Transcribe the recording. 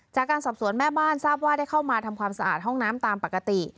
จากการสอบสวนแม่บ้านทราบว่าได้เข้ามาทำความสะอาดห้องน้ำตามปกติ